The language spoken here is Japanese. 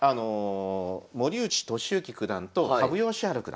森内俊之九段と羽生善治九段。